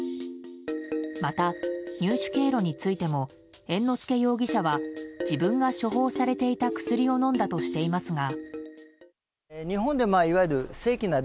また、入手経路についても猿之助容疑者は自分が処方されていた薬を飲んだとしていますが。